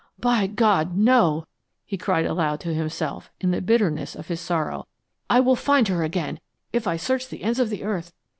"By God, no!" he cried aloud to himself, in the bitterness of his sorrow. "I will find her again, if I search the ends of the earth.